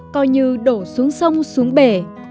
coi như đổ xuống sông xuống bể